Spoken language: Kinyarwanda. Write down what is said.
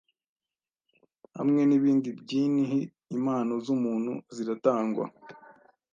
Hamwe nibindi byinhi impano zumuntu ziratangwa